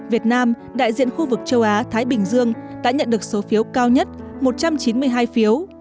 việt nam đại diện khu vực châu á thái bình dương đã nhận được số phiếu cao nhất một trăm chín mươi hai phiếu